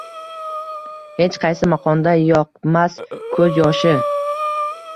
Hech qaysi makonda yoqmas ko‘z yoshi.